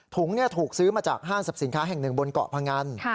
ถุงถูกซื้อมาจากห้างสรรพสินค้าแห่งหนึ่งบนเกาะพงัน